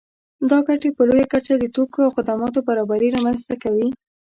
دا ګټې په لویه کچه د توکو او خدماتو برابري رامنځته کوي